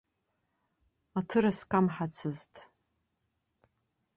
Аҭырас камҳацызт.